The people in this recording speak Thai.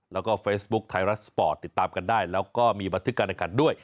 แล้วก็เฟซบุ๊คไทยรัฐสปอร์ตติดตามกันได้แล้วก็มีบันทึกการอากาศด้วย